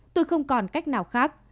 tôi không còn cách nào khác